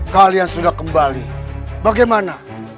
kalian sudah kembali bagaimana